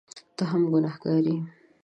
ته هم ګنهکاره یې !